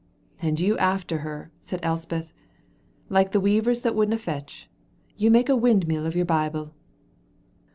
"And you after her," said Elspeth, "like the weavers that wouldna fecht. You make a windmill of your Bible."